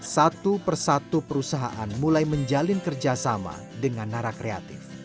satu persatu perusahaan mulai menjalin kerjasama dengan narak kreatif